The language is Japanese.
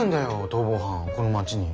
逃亡犯この町に。